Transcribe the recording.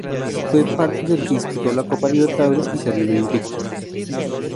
Fue parte del que disputó la Copa Libertadores y terminó invicto.